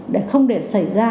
để không để xảy ra